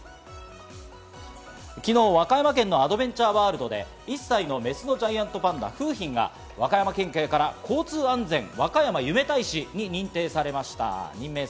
昨日、和歌山県のアドベンチャーワールドで１歳のメスのジャイアントパンダ・楓浜が、和歌山県警から交通安全和歌山夢大使に任命されました。